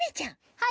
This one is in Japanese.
はい！